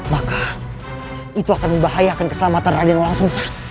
maka itu akan membahayakan keselamatan raden olang sungsang